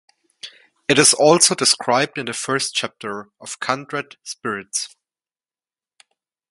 It is also described in the first chapter of "Kindred Spirits".